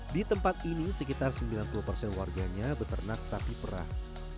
di tempat ini sekitar sembilan puluh persen warganya beternak sapi perah